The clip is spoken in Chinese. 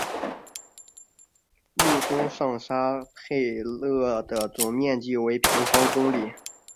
穆东上沙佩勒的总面积为平方公里。